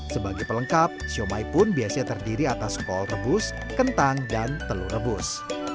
sebagai pelengkap siomay pun biasanya terdiri atas kol rebus kentang dan telur rebus